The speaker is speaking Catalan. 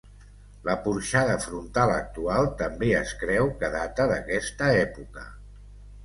La porxada frontal actual també es creu que data d'aquesta època.